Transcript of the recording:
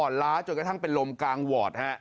อ่อนล้าจนกระทั่งเป็นลมกางวอด